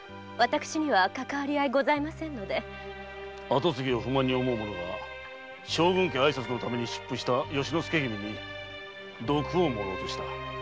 跡継ぎを不満に思う者が将軍家アイサツのため出府した由之助君に毒を盛ろうとした。